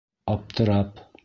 Аптырап.